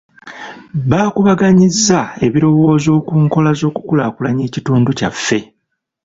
Baakubaganyizza ebirowoozo ku nkola z'okukulaakulanya ekitundu kyaffe.